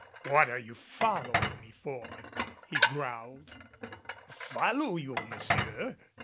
"What are you following me for?" he growled. "Follow you, Monsieur?